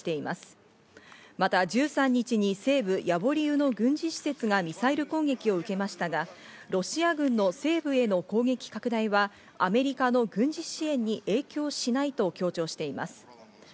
また１３日に西部ヤボリウの軍事施設がミサイル攻撃を受けましたがロシア軍の西部への攻撃拡大はアメリカの軍事支援に影響しないと強調しています。